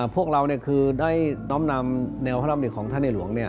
พวกเรานี่คือได้น้อมนำแนวพระนำลิขของท่านเนย์หลวง